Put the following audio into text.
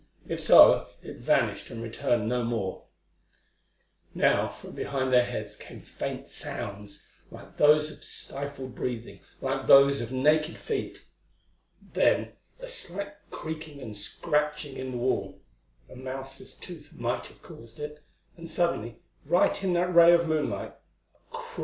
If so, it vanished and returned no more. Now from behind their heads came faint sounds, like those of stifled breathing, like those of naked feet; then a slight creaking and scratching in the wall—a mouse's tooth might have caused it—and suddenly, right in that ray of moonlight, a cruel looking knife and a naked arm projected through the panelling.